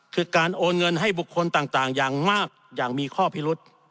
คือการโอนเงินให้บุคคลต่างอย่างมากอย่างมีข้อพิรุษ